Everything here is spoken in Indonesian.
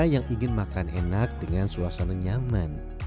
yang ingin makan enak dengan suasana nyaman